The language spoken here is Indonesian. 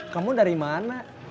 kamu dari mana